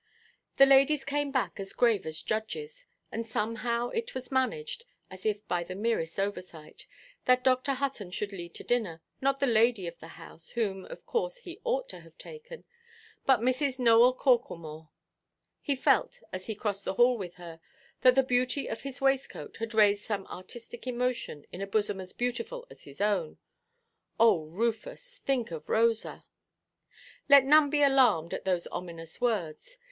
The ladies came back as grave as judges; and somehow it was managed (as if by the merest oversight) that Dr. Hutton should lead to dinner, not the lady of the house, whom, of course, he ought to have taken, but Mrs. Nowell Corklemore. He felt, as he crossed the hall with her, that the beauty of his waistcoat had raised some artistic emotion in a bosom as beautiful as its own. Oh, Rufus, think of Rosa! Let none be alarmed at those ominous words.